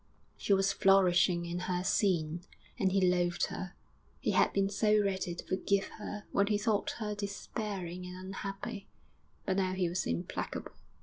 She was flourishing in her sin, and he loathed her. He had been so ready to forgive her when he thought her despairing and unhappy; but now he was implacable.